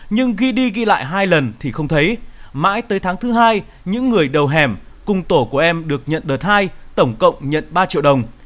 nhưng ghi đi ghi lại hai lần thì không thấy mãi tới tháng thứ hai những người đầu hẻm cùng tổ của em được nhận đợt hai tổng cộng nhận ba triệu đồng